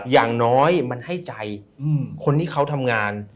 อย่างน้อยมันให้ใจคนที่เขาทำงาน